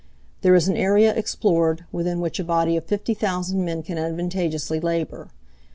There is an area explored, within which a body of 50,000 men can advantageously labor.